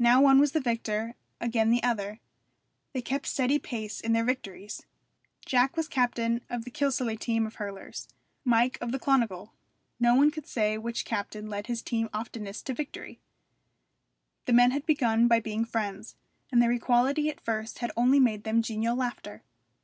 Now one was the victor, again the other. They kept steady pace in their victories. Jack was captain of the Kilsallagh team of hurlers, Mike of the Clonegall. No one could say which captain led his team oftenest to victory. The men had begun by being friends, and their equality at first had only made them genial laughter.